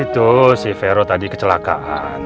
itu si vero tadi kecelakaan